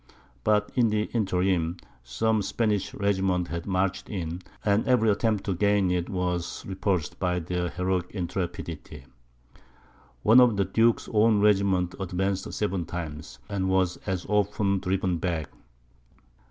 But in the interim, some Spanish regiments had marched in, and every attempt to gain it was repulsed by their heroic intrepidity. One of the duke's own regiments advanced seven times, and was as often driven back.